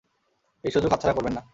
এই সুযোগ হাতছাড়া করবেন না।